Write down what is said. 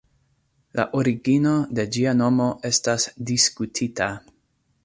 La origino de ĝia nomo estas diskutita.